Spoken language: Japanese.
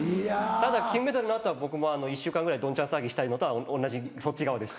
ただ金メダルの後は僕も１週間ぐらいドンチャン騒ぎしたいのは同じそっち側です。